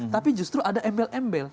tapi justru ada embel embel